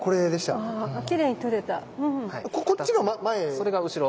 それが後ろです。